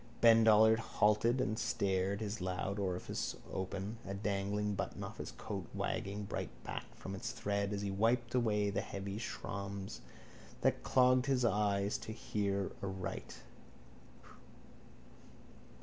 Ben Dollard halted and stared, his loud orifice open, a dangling button of his coat wagging brightbacked from its thread as he wiped away the heavy shraums that clogged his eyes to hear aright.